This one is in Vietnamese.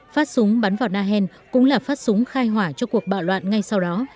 phát súng bắn vào nahen cũng là phát súng khai hỏa cho cuộc bạo loạn ngay sau đó